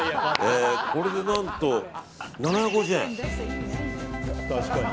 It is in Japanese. これで何と７５０円。